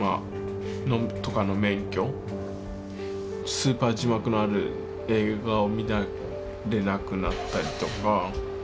スーパー、字幕のある映画を見られなくなったりとか。